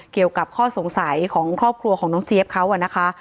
เกี่ยวกับข้อสงสัยของครอบครัวของน้องเจี๊ยบเขานะคะ